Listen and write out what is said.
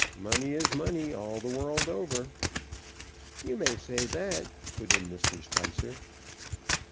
Money is money all the world over." "You may say that," put in Mr. Spicer.